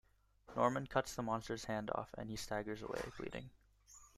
Norman cuts the monster's hand off, and he staggers away, bleeding.